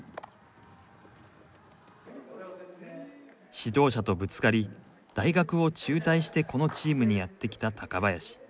指導者とぶつかり大学を中退してこのチームにやって来た高林。